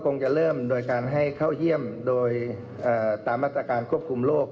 คงจะเริ่มโดยการให้เข้าเยี่ยมโดยตามมาตรการควบคุมโรค